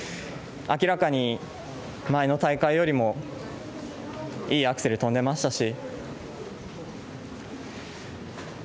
明らかに前の大会よりもいいアクセル跳んでましたし。